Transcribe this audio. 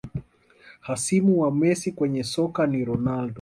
Hasimu wa Messi kwenye soka ni Ronaldo